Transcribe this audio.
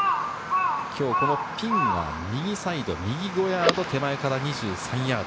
ピンが右サイド、右５ヤード、手前から２３ヤード。